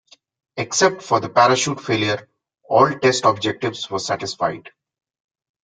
Except for the parachute failure, all test objectives were satisfied.